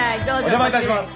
お邪魔致します。